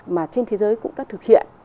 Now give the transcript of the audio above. mà trên thế giới cũng đã thực hiện